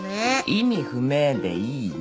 意味不明でいいの。